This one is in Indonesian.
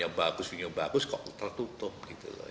yang bagus penyumbagus kok tertutup gitu loh